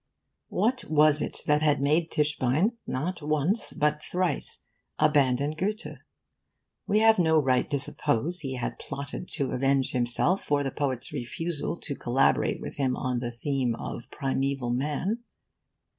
What was it that had made Tischbein not once, but thrice abandon Goethe? We have no right to suppose he had plotted to avenge himself for the poet's refusal to collaborate with him on the theme of primaeval man.